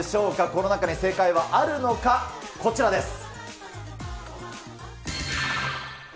この中に正解はあるのか、こちらです。